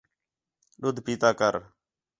دُڈھ پیتا کر